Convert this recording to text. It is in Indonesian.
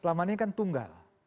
selama ini kan tunggal